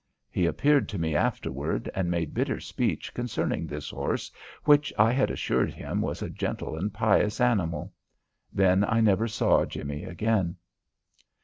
He appeared to me afterward and made bitter speech concerning this horse which I had assured him was a gentle and pious animal. Then I never saw Jimmie again.